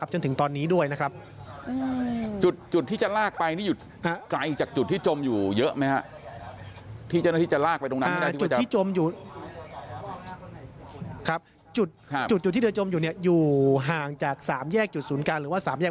จนถึงตอนนี้ด้วยจุดที่จะลากไปกลายจากจุดที่จมอยู่เยอะมั้ยครับ